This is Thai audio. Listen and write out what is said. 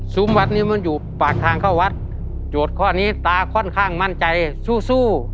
วัดนี้มันอยู่ปากทางเข้าวัดโจทย์ข้อนี้ตาค่อนข้างมั่นใจสู้สู้